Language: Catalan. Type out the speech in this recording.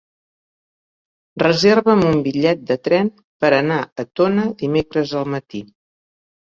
Reserva'm un bitllet de tren per anar a Tona dimecres al matí.